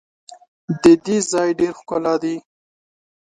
د دې ځای ډېر ښکلا دي.